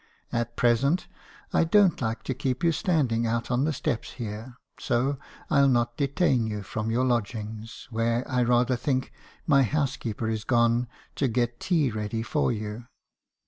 At present, I don't like to keep you standing out on the steps here , so I '11 not detain you from mr. haekison's concessions. 239 your lodgings , where I rather think my housekeeper is gone to get tea ready for you.'